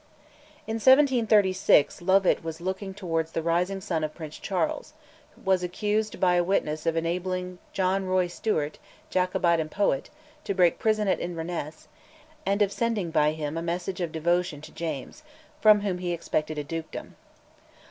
In 1736 Lovat was looking towards the rising sun of Prince Charles; was accused by a witness of enabling John Roy Stewart, Jacobite and poet, to break prison at Inverness, and of sending by him a message of devotion to James, from whom he expected a dukedom.